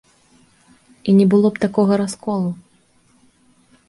І не было б такога расколу.